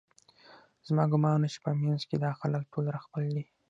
زما ګومان و چې په منځ کې یې دا خلک ټول راخپل دي